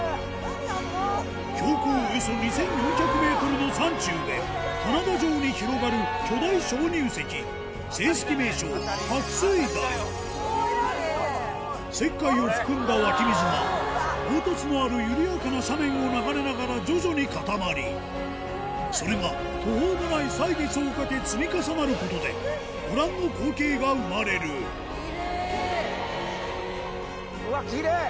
標高およそ２４００ｍの山中で棚田状に広がる巨大鍾乳石正式名称石灰を含んだ湧き水が凹凸のある緩やかな斜面を流れながら徐々に固まりそれが途方もない歳月をかけ積み重なることでご覧の光景が生まれるきれい！